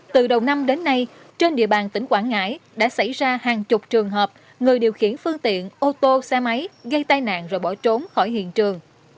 từ đầu năm đến nay trên địa bàn tỉnh quảng ngãi đã xảy ra hàng chục trường hợp người điều khiển phương tiện ô tô xe máy gây tai nạn rồi bỏ trốn khỏi hiện trường